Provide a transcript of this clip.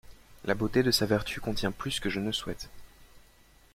La beauté de sa vertu contient plus que je ne souhaite.